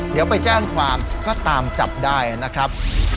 เดี๋ยวไปแจ้งความก็ตามจับได้นะครับ